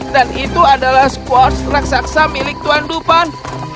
dan itu adalah kubis raksasa milik tuan dupan